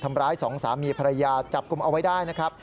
ทำร้ายสองสามีภรรยาจับกลุ่มเอาไว้ได้นะครับ